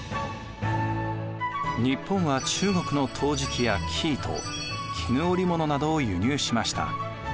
日本は中国の陶磁器や生糸絹織物などを輸入しました。